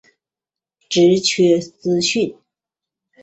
职缺资讯